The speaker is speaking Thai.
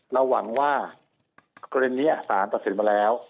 เราหวังว่ากรณีนี้สารตัดสินมาแล้ว